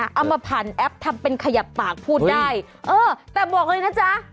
เอามาผ่านแอปทำเป็นขยับปากพูดได้เออแต่บอกเลยนะจ๊ะ